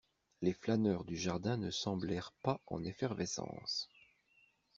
Les flâneurs du jardin ne semblèrent pas en effervescence.